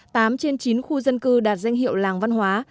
tám trên chín khu dân cư đạt danh hiệu làng văn hóa